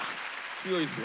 強いですよ。